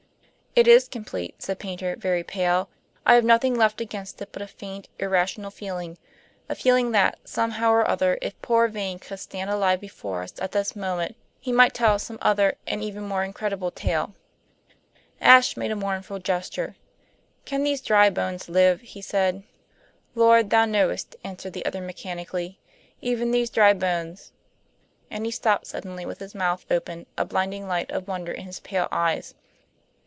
"It is complete," said Paynter, very pale. "I have nothing left against it but a faint, irrational feeling; a feeling that, somehow or other, if poor Vane could stand alive before us at this moment he might tell some other and even more incredible tale." Ashe made a mournful gesture. "Can these dry bones live?" he said. "Lord Thou knowest," answered the other mechanically. "Even these dry bones " And he stopped suddenly with his mouth open, a blinding light of wonder in his pale eyes.